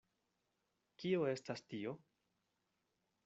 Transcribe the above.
Kio estas tio?